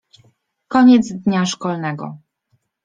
Koniec dnia szkolnego.